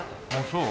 そう？